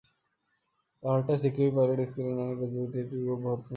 Barhatta CKP pilot high school নামের ফেসবুকভিত্তিক একটি গ্রুপ ভোট গ্রহণ করে।